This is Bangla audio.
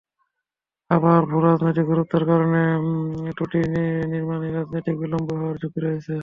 আবার ভূরাজনৈতিক গুরুত্বের কারণে এটির নির্মাণে রাজনৈতিক বিলম্ব হওয়ারও ঝুঁকি রয়েছে।